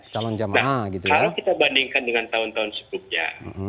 nah kalau kita bandingkan dengan tahun tahun sebelumnya